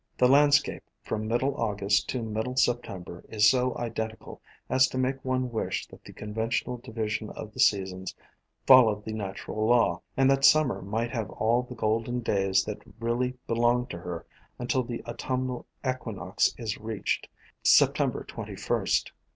The landscape from middle August to middle September is so identical as to make one wish that the conventional division of the seasons followed the natural law, and that Sum mer might have all the golden days that really be long to her until the autumnal equinox is reached, September twenty first.